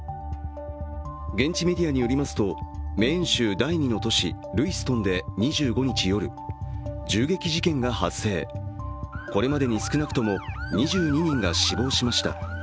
現地メディアによりますとメーン州第２の都市・ルイストンで２５日夜、銃撃事件が初制、これまでに少なくとも２２人が死亡しました。